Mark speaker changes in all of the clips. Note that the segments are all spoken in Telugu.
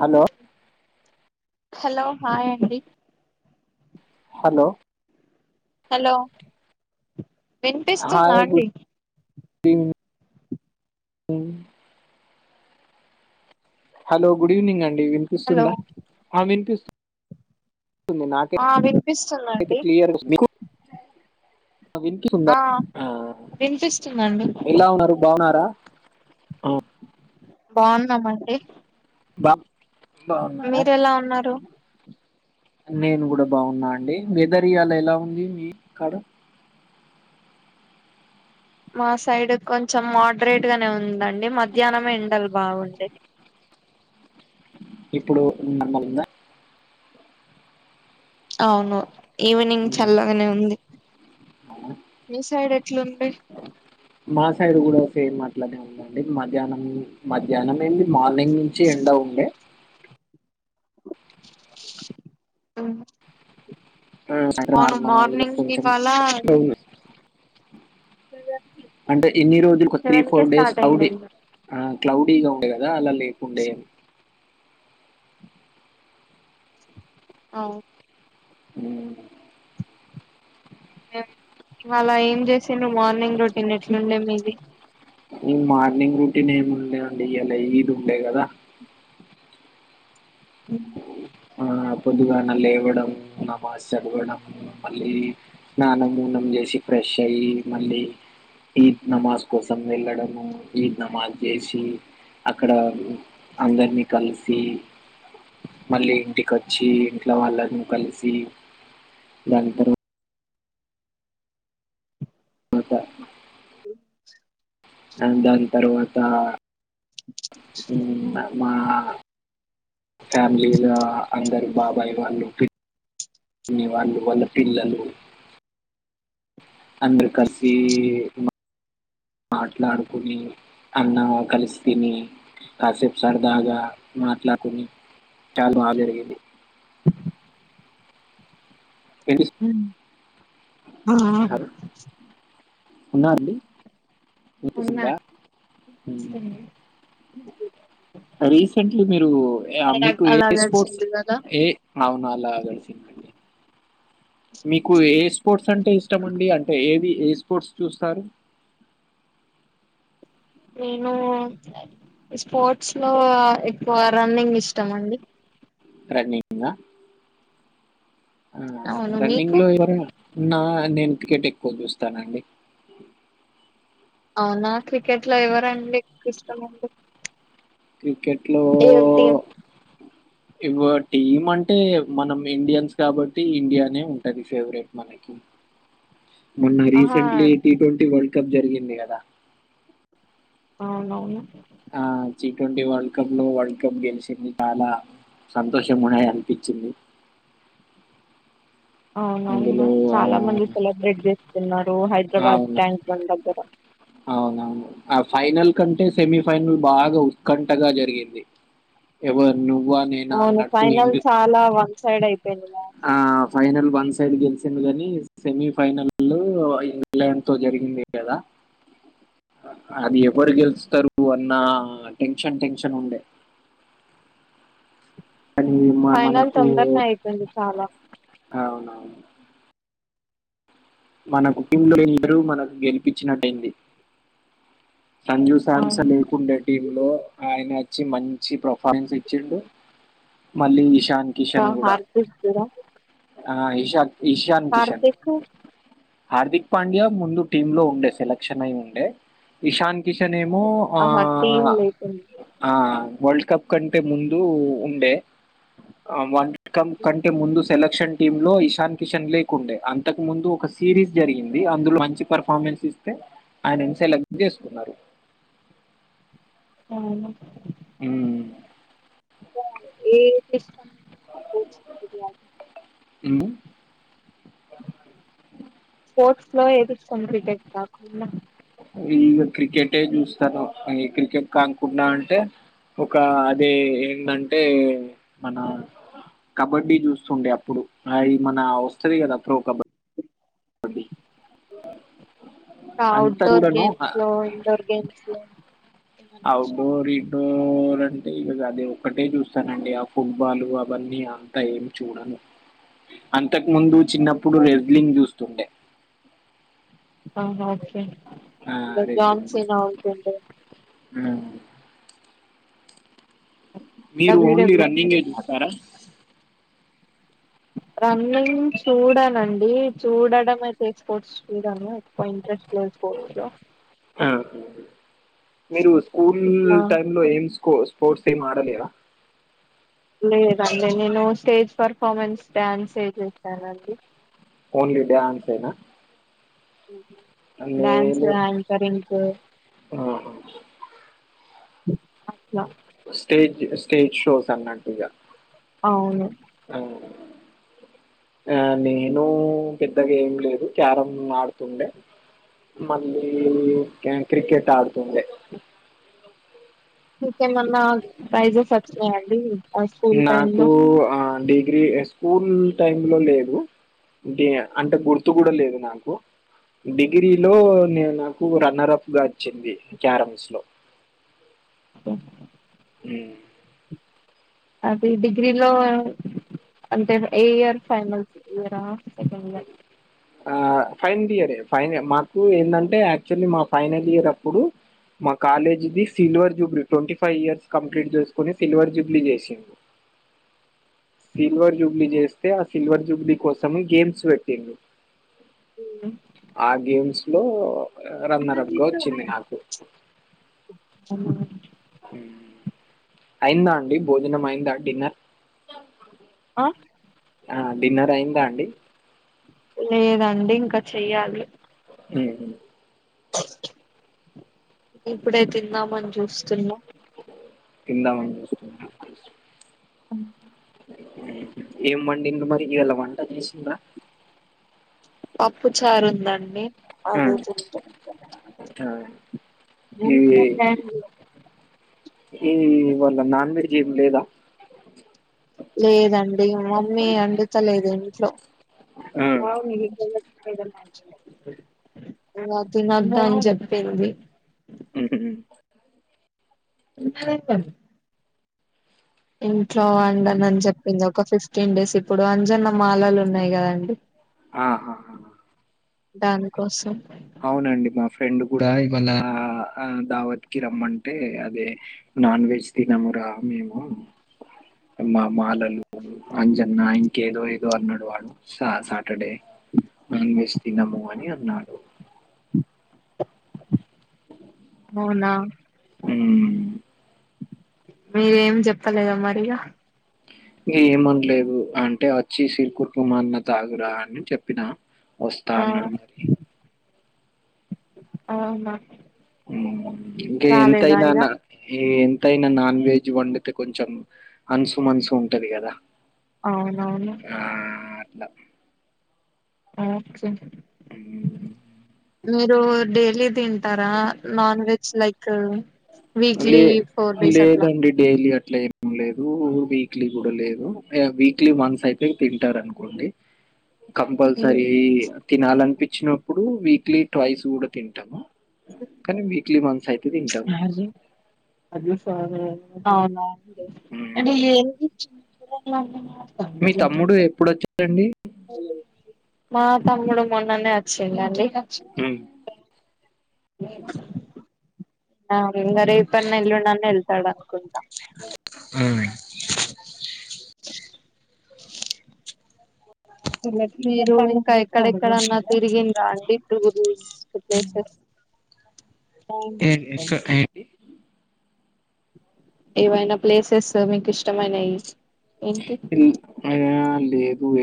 Speaker 1: హలో
Speaker 2: హలో హాయ్ అండి
Speaker 1: హలో
Speaker 2: హలో వినిపిస్తుందా అండి
Speaker 1: త హలో గుడ్ ఈవెనింగ్ అండి
Speaker 2: హలో
Speaker 1: వినిపిస్తుందా హ వినిపిస్తు
Speaker 2: ఆ వినిపిస్తుందండి
Speaker 1: క్లియర్ మీకు వినిపిస్తుందా
Speaker 2: ఆ వినిపిస్తుందండి
Speaker 1: ఎలా ఉన్నారు బాగున్నారా అఓ
Speaker 2: బాగున్నామ అండి
Speaker 1: బా బాగున్నారా
Speaker 2: మీర ఎలా ఉన్నారు
Speaker 1: నేను కూడా బాగున్నా అండి వెదర్ ఇ అలా ఎలా ఉంది మీ కాడ
Speaker 2: మా సైడ్ కొంచెం మోడరేట్ గానే ఉందండి మధ్యాహ్నం ఎండలు బాగుండడి
Speaker 1: ఇప్పుడుమ ఎ
Speaker 2: అవును ఈవినింగ్
Speaker 1: ఉమ్.
Speaker 2: చల్లగానే ఉంది మీ సైడ్ ఎట్లు
Speaker 1: అట్లా ఉందండి మధ్యాహ్నం మధ్యాహ్నం ఏ మా మార్నింగ్ నుంచి ఎండ ఉండే
Speaker 2: ఆ
Speaker 1: నార్మ కొంచెం
Speaker 2: ఇవాళ
Speaker 1: అంటే ఇన్ని రోజులు తీ
Speaker 2: సెవెన్ కే
Speaker 1: ఫోర్ డేస్
Speaker 2: స్టార్ట్
Speaker 1: అఔడి
Speaker 2: అయిందండి
Speaker 1: క్లౌడి ఇగా ఉండే కద అలా డయం
Speaker 2: అవు
Speaker 1: అ [inaudible]
Speaker 2: ఇవాళ ఏం చేసి నువ్ మార్నింగ్ రొటీన్ ఎట్లుండే మీ ఇది
Speaker 1: ఈ మార్నింగ్ రూటీన్ ఏమి ఉండే అండి అలా ఇది ఉండే కదా
Speaker 2: అ
Speaker 1: ఆ పొదుగాన లేవడంము నమాజ్ చదవడము మళ్ళీ స్నానం నం చేసి ఫ్రెష్ అయ్యి మళ్ళీ ఈద్ నమాజ్ కోసం వెళ్ళడము ఈద్ నమాజ్ చేసి అక్కడ అందరినీ కలిసి మళ్ళీ ఇంటికిచ్చి ఇంట్లో వాళ్ళ ను కలిసి దాని తర్వాత అద
Speaker 2: హ
Speaker 1: ఆ దాని తర్వాత మా [inaudible] ఫ్యామిలీలో అందరు బాబాయి వాళ్ళు ఇన్ని వాళ్ళు వాళ పిల్లలు అందరు కలిసి మాట్లాడుకుని అన్న కలిసి తిని కాసేపు సార్ దాగా మాట్లాడుకుని చాలు బాగా జరిగింది వినిపిస్తున్నారు
Speaker 2: ఉ ఆ
Speaker 1: ఉన్నారండి
Speaker 2: ఉన్నా
Speaker 1: దా రీసెంట్లీ మీరు
Speaker 2: అలా
Speaker 1: మీకు ఏ
Speaker 2: అలాగే
Speaker 1: స్పోర్ట్స్
Speaker 2: వచ్చింది కదా
Speaker 1: ఏ అవున అలా గడిసిందండి మీకు ఏ స్పోర్ట్స్ అంటే ఇష్టంమండి అంటే ఏది ఏ స్పోర్ట్స్ చూస్తారు
Speaker 2: నేను స్పోర్ట్స్ లో ఎక్కువ రన్నింగ్ ఇష్టం అండి
Speaker 1: రన్నింగా
Speaker 2: అవును
Speaker 1: రన్నింగ్
Speaker 2: మీకు
Speaker 1: లో ఎవరేమ నా నేను క్రికెట్ ఎక్కువ చూస్తానండి
Speaker 2: అవునా క్రికెట్ లో ఎవరండి ఎక్కువ ఇష్టమ అండి
Speaker 1: క్రికెట్ లో
Speaker 2: ఏ టీమ్
Speaker 1: ఇవ టీమ్ అంట అంటే మనం ఇండియన్స్ కాబట్టి ఇండియానే ఉంటది ఫేవరెట్ మనకి మొన్న
Speaker 2: ఆహా
Speaker 1: రీసెంట్ గా టీ ట్వంటి కబ్ జరిగింది కదా
Speaker 2: అవున అవును
Speaker 1: ఆ టీ ట్వంటీ వరల్డ్ కప్ లో వరల్డ్ కప్ గెలిచింది చాలా సంతోషము అనిపించింది
Speaker 2: అవున అవును చాలా మంది
Speaker 1: ఆహ్,
Speaker 2: సెలబ్రేట్ చేస్తున్నారు హైదరాబాద్
Speaker 1: అవును.
Speaker 2: ట్యాంక్ బండ్ దగ్గర
Speaker 1: అవునవును ఆ ఫైనల్ కంటే సెమీఫైనల్ బాగా ఉత్కంఠగా జరిగింది ఎవరిను
Speaker 2: అవును ఫైనల్ చాలా వ సైడ్ అయిపోయిను
Speaker 1: ఆ ఫైనల్ వన్ సైడ్ గెలిచంది కాని సెమీఫైనల్ ఇంగ్లాండ్ తో జరిగింది కదా అది ఎవరు గెలుస్తారు అన్నా ఆ టెన్షన్ టెన్షన్ ఉండే కానీ మ-
Speaker 2: ఫైనల్
Speaker 1: మనకు
Speaker 2: తొందరనే అయితుంది చాలా
Speaker 1: అవునవును మన కుటుంబంలో ఎరు మనకు గెలిపించినట్టయింది సంజు
Speaker 2: అవును
Speaker 1: శాంసన్ లేకుండే టీమ్ లో ఆయన మంచి పర్ఫార్మెన్స్ ఇచ్చిండు మళ్ళీ ఇషాన్ కిషన్ కూడా
Speaker 2: హార్పిరా
Speaker 1: ఆ ఇషా ఈశన్ కిషన్ హార్దిక్ పాండ్య ముందు టీమ్ లో ఉండే సెలక్షన్ అయి ఉండే ఈశాంత ఈసనే ఏమో ఆ
Speaker 2: ఆహా టీమ్ లేకుండే
Speaker 1: ఆ వరల్డ్ కప్ కంటే ముందు ఉండే వ కమ్ కంటే ముందు సెలక్షన్ టీమ్ లో ఇషాన్ కిషన్ లేకుండే అంతకు ముందు ఒక సిరీస్ జరిగింది అందులో మంచి పర్ఫార్మెన్స్ ఇస్తే ఆయనం సెలక్ట్ జేసుకున్నారు
Speaker 2: ఆ
Speaker 1: ఉమ్
Speaker 2: ఏం కష్ట
Speaker 1: ఉమ్.
Speaker 2: స్పోర్ట్స్ లో ఎపించుకోండి క్రికెట్ కాకు
Speaker 1: ఇక క్రికెటే చూస్తారు క్రికెట్ కానుకుండా అంటే ఒక అదే ఏంటంటే మన కబడ్డీ చూస్తుండే అప్పుడు అది మన వస్తుది కదా అ ప్రో కబడ్డీ
Speaker 2: ఇంకా
Speaker 1: అంతా
Speaker 2: అఔట్డోర్
Speaker 1: కూడాను
Speaker 2: గేమ్స్ లో ఇండోర్ గేమ్స్ లో ఏమనిస్తావా
Speaker 1: అ ఇద ఒకటే చూస్తానండి ఆ ఫుట్బాలు అవన్నీ అంత ఏమి చూడను అంత ముందు చిన్నప్పుడు విజలింగ్ చూస్తు తుంటే
Speaker 2: ఆహా ఒకే జాగ్సేన ఉంటుంది
Speaker 1: అ మీరు ఓన్లీ
Speaker 2: డబ్ల్యూడబ్ల్యూ
Speaker 1: రన్నింగే చూస్తారా
Speaker 2: రన్నింగ్ చూడనండి చూడడం అయితే స్పోర్ట్స్ చూడను ఎక్కువ ఇంట్రెస్ట్ స్పోర్ట్స్
Speaker 1: ఆ మీరు స్కూల్
Speaker 2: ఇట్లా
Speaker 1: టైమ్ లో ఎం స్కోస్ స్పోర్ట్స్ ఏం ఆడలేర
Speaker 2: లేదండి నేను స్టేజ్ పర్ఫార్మెన్స్ డ్యాన్సే చేశానండి
Speaker 1: ఓన్లీ డాన్స్ ఏనా
Speaker 2: డాన్స్ యాంకరింగ్
Speaker 1: ఆ,
Speaker 2: అ
Speaker 1: స్టేజ్ స్టేజ్ షోస్ అన్నట్టుగా
Speaker 2: అవును
Speaker 1: అ ఆ నేను పెద్ద గ ఏమ్ లేదు క్యారంమ్ ఆడుతుండే మళ్ళీ క్రికెట్ ఆడుతుండే
Speaker 2: మీకేమన్నా ప్రైజెస్ వచ్చినాయండి ఆ స్కూల్ టైమ్
Speaker 1: నాకు
Speaker 2: లో
Speaker 1: ఆడి గ్రీ స్కూల్ టైమ్ లో లేదు అంటే గుర్తు కూడా లేదు నాకు డిగ్రీలో నే నాకు రన్నర్ అఫ్ గా వచ్చింది క్యారమ్స్ లో
Speaker 2: స
Speaker 1: ఉ
Speaker 2: అది డిగ్రీలో అంటే ఏ ఇయర్ ఫైనల్ ఇయరా సెకండ్ ఇయర్
Speaker 1: స ఆ ఫైనల్ ఇయర్ ఫ మాకు ఏంటంటే యాక్చువల్లీ మా ఫైనల్ ఇయర్ అప్పుడు మా కాలేజీది silver jubilee twenty five years complete చేసుకుని సిల్వర్ జూబ్లీ చేసింది సిల్వర్ జూబ్లీ చేస్తే ఆ సిల్వర్ జూబ్లీ కోసం గేమ్స్ పెట్టిండ్రు ఆ గేమ్స్ నో రన్నరబ్ గ వచ్చింది నాకు
Speaker 2: [unintelligible] మా
Speaker 1: అయిందా అండి భోజనం అయిందా డిన్నర్
Speaker 2: ఆ
Speaker 1: ఆ డిన్నర్ అయిందా అండి
Speaker 2: లేదండి ఇంకా చెయ్యాలి
Speaker 1: ఊహుం
Speaker 2: ఇప్పుడే తిందామని చూస్తున్నాం
Speaker 1: తిందామని చూస్తూన్న
Speaker 2: అ
Speaker 1: ఏం వండింది మరి ఇయాళ వంట చేసిందా
Speaker 2: పప్పు చారు ఉందండి. నేన్
Speaker 1: ఆ
Speaker 2: ఆరోజు నుంచి
Speaker 1: ఆ
Speaker 2: అడుగుతున్న
Speaker 1: ఏం ఇవాళ నాన్ వెజ్ ఏమి లేదా
Speaker 2: లేదండి మమ్మీ అండుతలేదండి. స్లో
Speaker 1: ఆ
Speaker 2: అవును నిజంగా అ తినద్దు అని చెప్పింది.
Speaker 1: ఉమ్మ్
Speaker 2: [unintelligible] ఇంట్లో వండనని చెప్పింది ఒక ఫిఫ్టీన్ డేస్ ఇప్పుడు అంజన్న మాలలు ఉన్నాయి కదండి.
Speaker 1: ఆహాహా
Speaker 2: దానికోసం
Speaker 1: అవునండి మా ఫ్రెండ్ కూడా ఇవాళ దావత్ కి రమ్మంటే అదే నాన్ వెజ్ తినమురా మేము మా మాలలు అంజన్న ఇంకేదో ఏదో అన్నాడు వాడు సా సాటర్డే. నాన్ వెజ్ తినము అని అన్నాడు.
Speaker 2: అవునా
Speaker 1: ఉమ్
Speaker 2: మీరేం చెప్పలేదా మరిఇగా
Speaker 1: ఏంఅనలేదు అంటే వచ్చి సిరుకుర్కు మన్న తాగురా అని చెప్పినా వస్తా
Speaker 2: ఆ
Speaker 1: అన్నాడు మరి
Speaker 2: అవునా
Speaker 1: ఉమ్మ్ ఇంకా
Speaker 2: రాలేదా ఇగ
Speaker 1: ఎంతైనానా ఎంతయినా నాన్ వెజ్ ఇవండితే కొంచెం అనుసు మనసు ఉంటది కదా.
Speaker 2: అవునవును
Speaker 1: అట్లా.
Speaker 2: ఆక్సిన్
Speaker 1: హ
Speaker 2: మీరు డైలీ తింటారా నాన్ వెజ్ లైక్ కు వీక్లీ
Speaker 1: లే
Speaker 2: ఫోర్ డేస్ అట్లా
Speaker 1: లేదండి. డైలీ అట్లా ఏం లేదు వీక్లీ కూడా లేదు వీక్లీ వన్స్ అయితే తింటారు అనుకోండి. కంపల్సరీ తినాలనిపించినప్పుడు వీక్లీ రైస్ కూడా తింటాము. కానీ భీకలీ మస సైయితే తంటాను
Speaker 2: అరే అది సరేవునా అంటే
Speaker 1: హ్మ్.
Speaker 2: ఏ ఇ
Speaker 1: మీ తమ్ముడు ఎప్పుడొచ్చి ఏండి
Speaker 2: మా తముడు మ న్న వచ్చింద అండి
Speaker 1: ఉమ్.
Speaker 2: గ రే పనా వెళ్ళన్నానే వెళ్తాడు అనుకుంటా
Speaker 1: అవును
Speaker 2: హరుకాయ కక్కన్నా తిరిగింది డి టూ ప్లేసెస్
Speaker 1: ఏ స ఏంటి
Speaker 2: ఏవైనా ప్లేసెస్ మీకు ఇష్టమైనవి
Speaker 1: ఇల్ అదే అ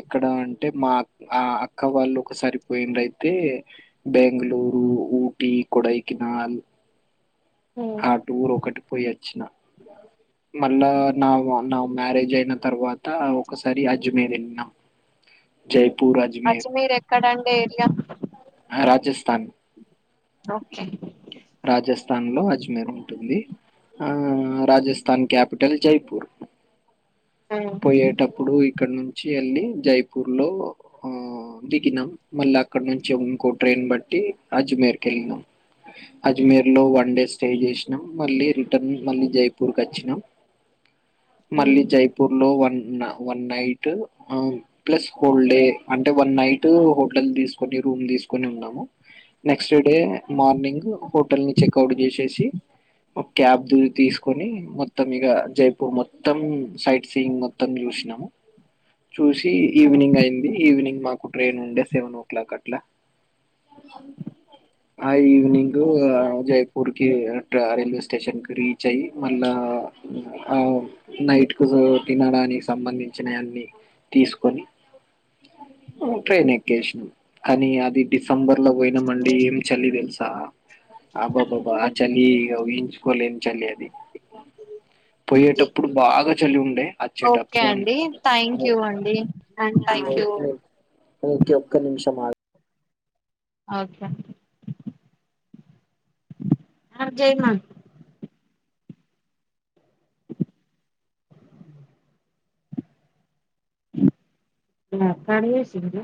Speaker 1: ఎక్కడ అంటే మా ఆ అక్క వాళ్ళు ఒక సరిపోయిండయితే బెంగళూరు ఊటి కొడైకినాల్ టూరు ఒకటి పోయిచ్చి మళ్ళా నా నా మ్యారేజ్ అయిన తర్వాత ఒకసారి అజమేద వెళ్ళిన జై
Speaker 2: అజ్మీర్ ఎక్కడండి ఏరియా
Speaker 1: ఆ, రాజస్థాన్
Speaker 2: ఓకే
Speaker 1: రాజస్థాన్ లో అజ్మేర్ ఉంటుంది ఆ రాజస్థాన్ క్యాపిటల్ జైపూర్ పోయేటప్పుడు ఇక్కడ నుంచి వచ్చి వెళ్ళి జైపూర్ లో ఆ దిగినాం మళ్ళీ అక్కడ నుంచి ఇంకో ట్రైన్ బట్టి అజ్మేర్ క వెళ్ళినాం అజ్మేర్ లో వన్ డే స్టే చేసినాం మళ్ళీ రిటర్న్ మళ్ళీ జైపూర్ క వచ్చినాం మళ్ళీ జైపూర్ లో one one night plus whole day అంటే వన్ నైట్ హోటల్ తీసుకుని రూమ్ తీసుకుని ఉన్నాము నెక్స్ట్ డే మార్నింగ్ హోటల్ ని చెక్ట్ చేసేసి ఒక క్యాబ్ దూ తీసుకొని మొత్తం ఇక జైపూర్ మొత్తం మొత్తం సైట్ సీయింగ్ మొత్తం చూసినాము చూసి ఈవినింగ్ అయింది ఈవినింగ్ మాకు ట్రైన్ ఉండే సెవెన్ ఓ క్లాక్ అట్లా ఆ ఈవినింగ్ జైపూర్ కి రైల్వే స్టేషన్ క రీచ్ అయ్యి మళ్ళా నైట్ కు తినడానికి సంబంధించిన అన్నిీ తీసుకొని ట్రైన్ ఎక్కేసినాం కానీ అది డిస్ సంబర్ లో పోయినామండి ఏమి చలీ తెల్స్ స ఆబబాబా ఆ చలీ ఉహిన్ కోలేన్ చలి అది పోయే టప్ ఇప్పుడు బాగా చలి ఉండే అ
Speaker 2: ఓకే
Speaker 1: చ్చేటప్పుడు అన్
Speaker 2: అండి థ్యాంక్
Speaker 1: ఓ
Speaker 2: యూ అండి థ్యాంక్
Speaker 1: ఓ
Speaker 2: యూ
Speaker 1: ఓ ఒకే ఒక్కణిం ష మాగ్
Speaker 2: ఓకే ఆ జయమా ఆ కానీ వేసిఉండ్రా